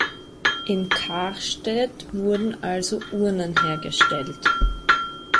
Im Kahrstedt wurden also Urnen hergestellt.